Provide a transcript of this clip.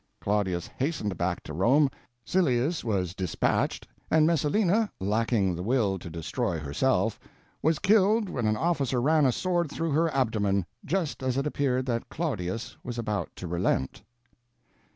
Claudius hastened back to Rome, Silius was dispatched, and Messalina, lacking the will power to destroy herself, was killed when an officer ran a sword through her abdomen, just as it appeared that Claudius was about to relent.